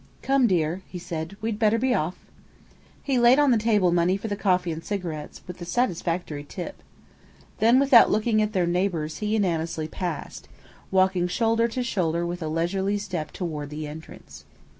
"Come, dear," he said, "we'd better be off." He laid on the table money for the coffee and cigarettes, with a satisfactory tip. Then without looking at their neighbours he and Annesley passed, walking shoulder to shoulder with a leisurely step toward the entrance.